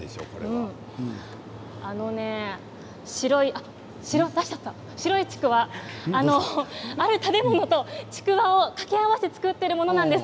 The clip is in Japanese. あのね、白いちくわある食べ物とちくわを掛け合わせて作っているものなんです。